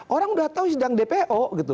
orang udah tau sedang dpo